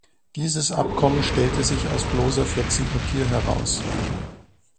Dieses Abkommen stellte sich als bloßer Fetzen Papier heraus.